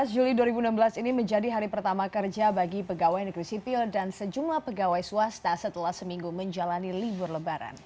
dua belas juli dua ribu enam belas ini menjadi hari pertama kerja bagi pegawai negeri sipil dan sejumlah pegawai swasta setelah seminggu menjalani libur lebaran